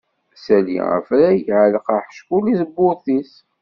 Ssali afrag, ɛelleq aḥeckul i tebburt-is.